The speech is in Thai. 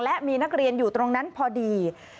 และมีนักเรียนอยู่ตรงนั้นพอดี